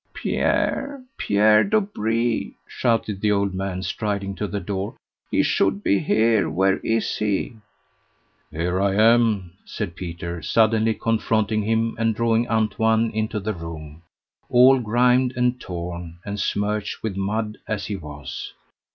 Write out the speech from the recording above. "Pierre Pierre Dobree!" shouted the old man, striding to the door, "he should be here; where is he?" "Here am I," said Peter, suddenly confronting him, and drawing Antoine into the room, all grimed and torn, and smirched with mud, as he was.